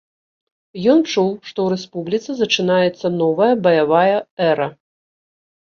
Ён чуў, што ў рэспубліцы зачынаецца новая баявая эра.